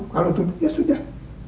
kalau kamu mau ya sudah